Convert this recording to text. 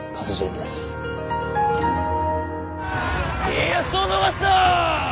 家康を逃すな！